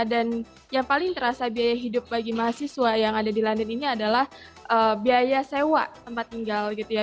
dan yang paling terasa biaya hidup bagi mahasiswa yang ada di london ini adalah biaya sewa tempat tinggal gitu ya